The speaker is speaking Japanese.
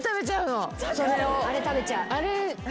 あれ食べちゃう。